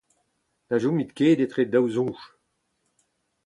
Na chomit ket etre daou soñj !